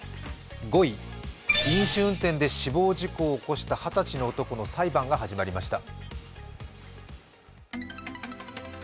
５位、飲酒運転で死亡事故を起こした二十歳の男の裁判が始まりました。